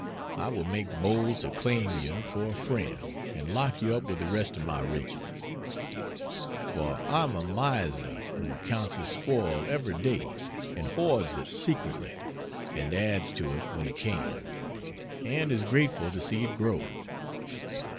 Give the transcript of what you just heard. I will make bold to claim you for a friend and lock you up with the rest of my riches; for I am a miser who counts his spoil every day and hoards it secretly and adds to it when he can, and is grateful to see it grow.